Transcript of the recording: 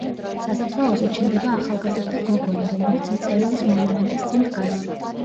სასაფლაოზე ჩნდება ახალგაზრდა გოგონა, რომელიც მწერლის მონუმენტის წინ დგას.